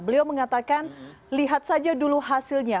beliau mengatakan lihat saja dulu hasilnya